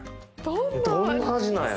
どんな味なんやろ。